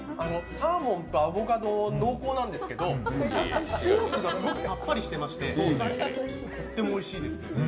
サーモンとアボカド濃厚なんですけどソースがすごくさっぱりしていまして、とってもおいしいです。